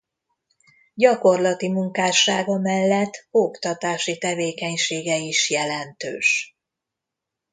Gyakorlati munkássága mellett oktatási tevékenysége is jelentős.